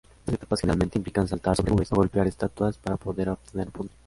Estas etapas generalmente implican saltar sobre nubes o golpear estatuas para poder obtener puntos.